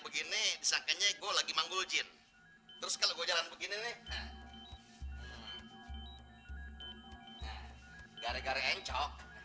begini sangkanya gue lagi manggul jin terus kalau gue jalan begini nih gara gara encok